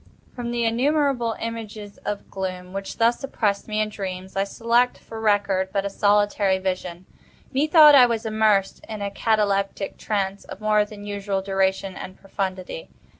From the innumerable images of gloom which thus oppressed me in dreams, I select for record but a solitary vision. Methought I was immersed in a cataleptic trance of more than usual duration and profundity.